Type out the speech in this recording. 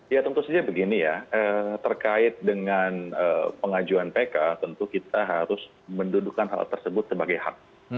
ya tentu saja begini ya terkait dengan pengajuan pk tentu kita harus mendudukan hal tersebut sebagai hak